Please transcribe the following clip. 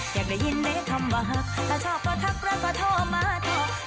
อยากได้ยินในคำว่าถ้าชอบก็ทักรักก็ทอมาทอ